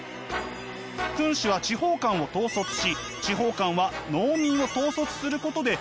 君子は地方官を統率し地方官は農民を統率することで秩序を保つ。